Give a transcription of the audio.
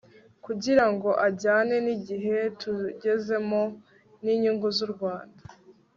kugirango ajyane n'igihe tugezemo n'inyungu z'u rwanda